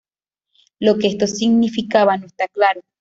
Lo que esto significaba no está claro.